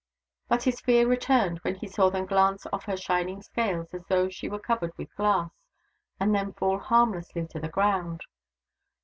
But his fear returned when he saw them glance off her shining scales as though she were covered with glass, and then fall harmlessly to the ground.